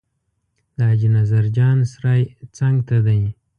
د حاجي نظر جان سرای څنګ ته دی.